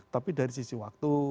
tapi dari sisi waktu